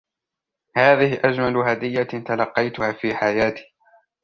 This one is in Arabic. هذه أجمل هدية تلقيتها في حياتي.